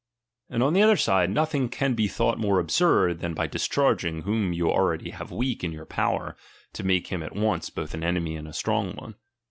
And on tlie other side, nothing can be thought more absurd, than by discharging whom you already have weak in your power, to make him at once both an enemy and a strong one.